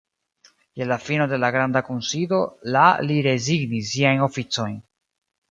Je la fino de la Granda Kunsido la li rezignis siajn oficojn.